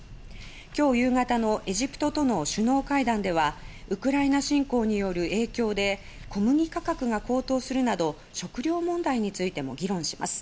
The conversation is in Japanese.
今日夕方のエジプトとの首脳会談ではウクライナ侵攻による影響で小麦価格が高騰するなど食糧問題についても議論します。